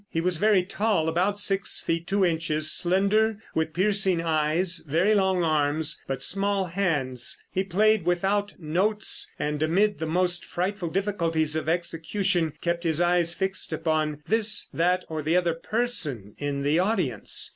He was very tall, about six feet two inches, slender, with piercing eyes, very long arms, but small hands; he played without notes, and amid the most frightful difficulties of execution kept his eyes fixed upon this, that or the other person in the audience.